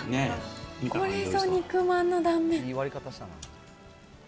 これぞ、肉まんの断面。